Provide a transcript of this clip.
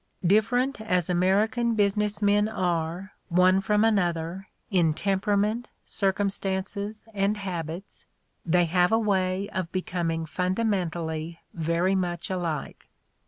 Differ ent as American business men are one from another in temperament, circumstances and habits, they have a way of becoming fundamentally very much alike.